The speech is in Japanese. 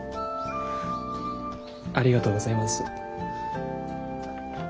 ありがとうございます。